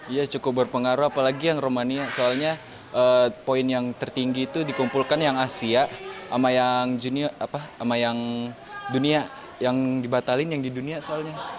ya cukup berpengaruh apalagi yang romania soalnya poin yang tertinggi itu dikumpulkan yang asia sama yang junior apa sama yang dunia yang dibatalin yang di dunia soalnya